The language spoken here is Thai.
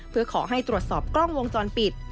เพื่อขอให้ตรวจสอบกล้องวงจรปิด